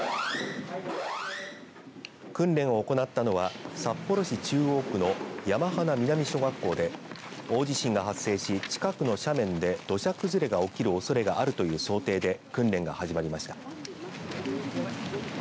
訓練を行ったのは札幌市中央区の山鼻南小学校で大地震が発生し、近くの斜面で土砂崩れが起きるおそれがあるという想定で訓練が始まりました。